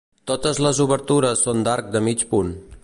Totes les obertures són d'arc de mig punt.